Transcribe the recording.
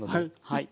はい。